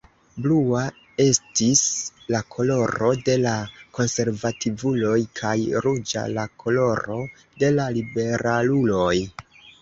Blua estis la koloro de la konservativuloj, kaj ruĝa la koloro de la liberaluloj.